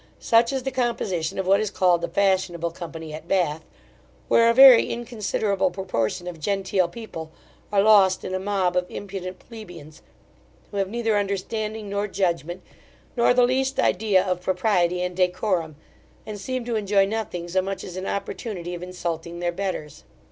Such is the composition of what is called the fashionable company at Bath; where a very inconsiderable proportion of genteel people are lost in a mob of impudent plebeians, who have neither understanding nor judgment, nor the least idea of propriety and decorum; and seem to enjoy nothing so much as an opportunity of insulting their betters.